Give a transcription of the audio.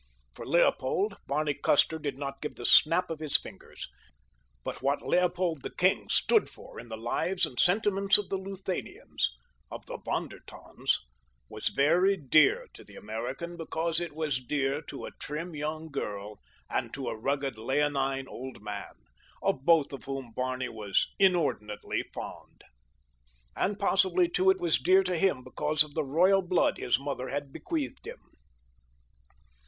For Leopold, Barney Custer did not give the snap of his fingers; but what Leopold, the king, stood for in the lives and sentiments of the Luthanians—of the Von der Tanns—was very dear to the American because it was dear to a trim, young girl and to a rugged, leonine, old man, of both of whom Barney was inordinately fond. And possibly, too, it was dear to him because of the royal blood his mother had bequeathed him.